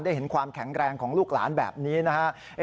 เห็นความแข็งแรงของลูกหลานแบบนี้นะครับ